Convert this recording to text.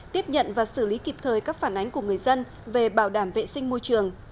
tiếp nhận và xử lý kịp thời các phản ánh của người dân về bảo đảm vệ sinh môi trường